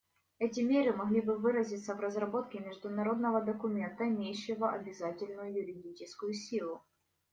Эти меры могли бы выразиться в разработке международного документа, имеющего обязательную юридическую силу.